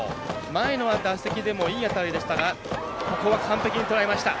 前の打席でもいい当たりでしたがここは完璧にとらえました。